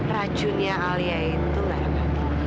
racunnya alia itu gak ada